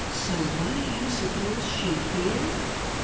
So, what do you suppose she did?